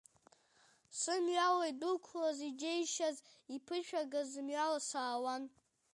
Сымҩала идәықәлаз иџьеишьаз, иԥышәагаз мҩала саауан.